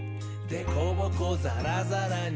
でこぼこざらざら」